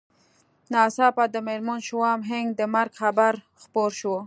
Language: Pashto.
ناڅاپه د مېرمن شومان هينک د مرګ خبر خپور شو